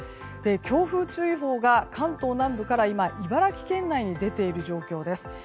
強風注意報が関東南部から今、茨城県内に出ている状況です。